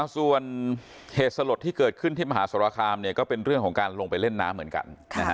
ส่วนเหตุสลดที่เกิดขึ้นที่มหาสรคามก็เป็นเรื่องของการลงไปเล่นน้ำเหมือนกัน